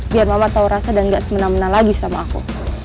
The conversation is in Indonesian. biar mama tahu rasa dan gak semena mena lagi sama aku